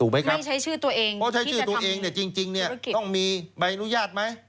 ไม่ใช่ชื่อตัวเองเพราะใช้ชื่อตัวเองเนี่ยจริงเนี่ยต้องมีใบอนุญาตไหม